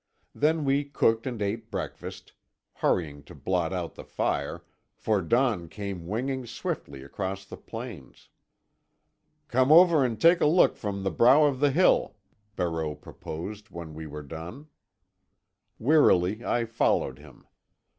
Then we cooked and ate breakfast, hurrying to blot out the fire, for dawn came winging swiftly across the plains. "Come over and take a look from the brow of the hill," Barreau proposed, when we were done. Wearily I followed him.